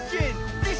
よし。